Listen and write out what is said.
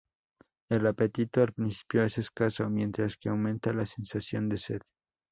El apetito al principio es escaso, mientras que aumenta la sensación de sed.